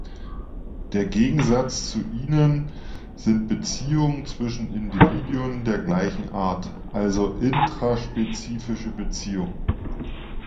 Der Gegensatz zu ihnen sind Beziehungen zwischen Individuen der gleichen Art, also "Intraspezifische Beziehungen".